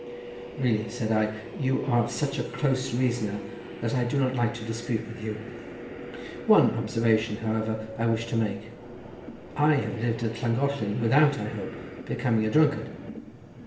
"Really," said I, "you are such a close reasoner, that I do not like to dispute with you. One observation, however, I wish to make: I have lived at Llangollen without, I hope, becoming a drunkard."